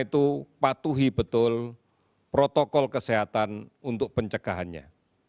kita harus lakukan semua yang kita lakukan untuk mematuhi betul protokol kesehatan untuk pencegahannya